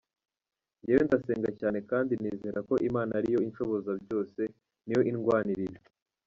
Njyewe ndasenga cyane kandi nizera ko Imana ariyo inshoboza byose, niyo indwanirira.